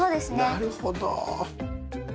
なるほど。